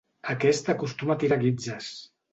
Aquest acostuma a tirar guitzes.